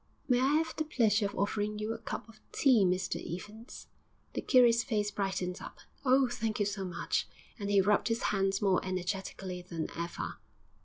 'May I 'ave the pleasure of offering you a cup of tea, Mr Evans?' The curate's face brightened up. 'Oh, thank you so much!' And he rubbed his hands more energetically than ever.